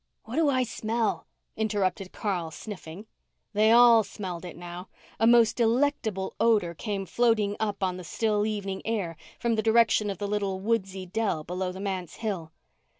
"What do I smell?" interrupted Carl, sniffing. They all smelled it now. A most delectable odour came floating up on the still evening air from the direction of the little woodsy dell below the manse hill.